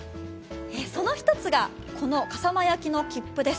その１つがこの笠間焼の切符です。